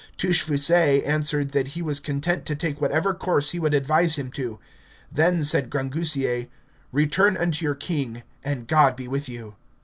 Touchfaucet answered that he was content to take whatever course he would advise him to. Then, said Grangousier, return unto your king, and God be with you.